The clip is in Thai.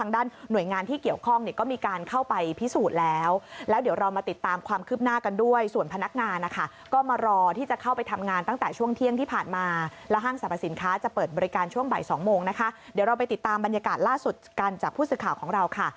เดี๋ยวเราไปติดตามบรรยากาศล่าสุดกันจากผู้สื่อข่าวของเราค่ะ